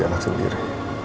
kayak anak sendiri